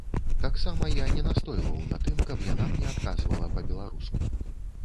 Таксама я не настойваў на тым, каб яна мне адказвала па-беларуску.